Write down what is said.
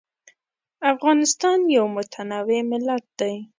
افغانستان یو متنوع ملت دی.